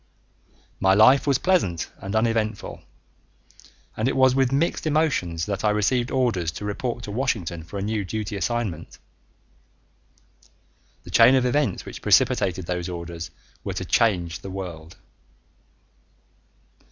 My life was pleasant and uneventful, and it was with mixed emotions that I received orders to report to Washington for a new duty assignment. The chain of events which precipitated those orders were to change the world....